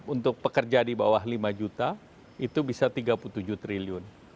untuk pekerja di bawah lima juta itu bisa tiga puluh tujuh triliun